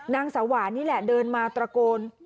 นางสวรรค์นี่แหละเดินมาตะโกน